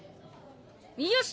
よし！